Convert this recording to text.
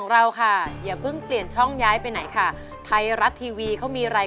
วันนี้พวกเราทุกคนขอลาไปก่อนนะครับคุณผู้ชม